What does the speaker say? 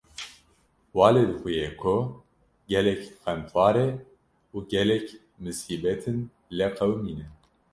Walê dixuye ko gelek xemxwar e û misîbetin lê qewimîne.